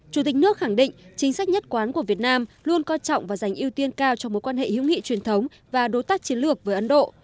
chủ tịch nước khẳng định chính sách nhất quán của việt nam luôn coi trọng và dành ưu tiên cao cho mối quan hệ hữu nghị truyền thống và đối tác chiến lược với ấn độ